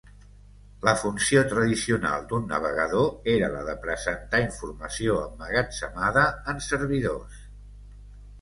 La funció tradicional d'un navegador era la de presentar informació emmagatzemada en servidors.